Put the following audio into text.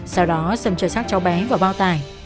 sau đó sâm chờ sát cháu bé vào bao tài